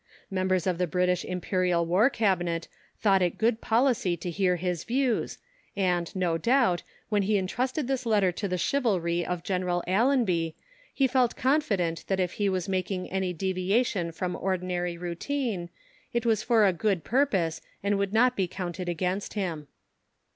Members of the British Imperial War Cabinet thought it good policy to hear his views, and, no doubt, when he entrusted this letter to the chivalry of General Allenby, he felt confident that if he was making any deviation from ordinary routine, it was for a good purpose and would not be counted against him.